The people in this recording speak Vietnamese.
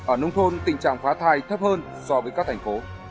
ở nông thôn tình trạng phá thai thấp hơn so với các thành phố